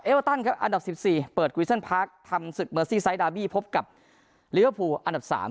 เอลตันอันดับ๑๔เปิดกวิจเซอร์นพาร์คทำศึกเมอร์ซี่ไซต์ดาร์บีพบกับลีเวอร์ภูอันดับ๓